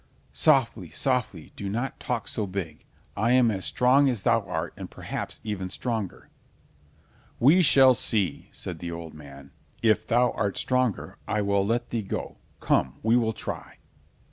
"Softly, softly, do not talk so big. I am as strong as thou art, and perhaps even stronger." "We shall see," said the old man. "If thou art stronger, I will let thee go—come, we will try."